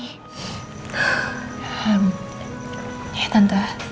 pasti gak akan jadi kayak gini